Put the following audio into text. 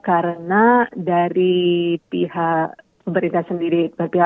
karena dari pihak pemerintah sendiri